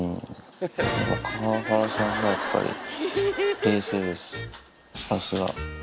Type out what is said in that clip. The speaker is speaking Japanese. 川原さんがやっぱり冷静です。